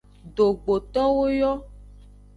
Dogbotowo yo.